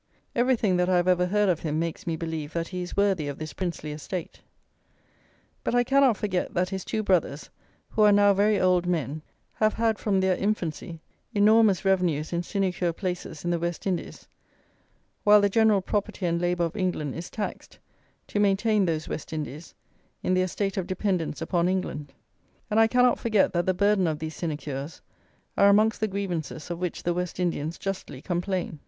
Everything that I have ever heard of him makes me believe that he is worthy of this princely estate. But I cannot forget that his two brothers, who are now very old men, have had, from their infancy, enormous revenues in sinecure places in the West Indies, while the general property and labour of England is taxed to maintain those West Indies in their state of dependence upon England; and I cannot forget that the burden of these sinecures are amongst the grievances of which the West Indians justly complain.